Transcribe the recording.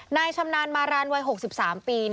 นายชำนาญมารรรณวัย๖๓ปี